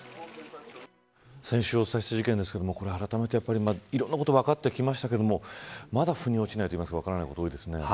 先週お伝えした事件ですがあらためていろんな事が分かってきましたけどもまだ腑に落ちないというか分からないことが多いですね。